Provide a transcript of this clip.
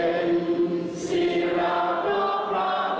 โอ้ภาพุทธรรมรักษาเผ็ดสุขภาพ